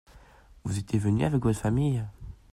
Vous étiez venu avec votre famille ?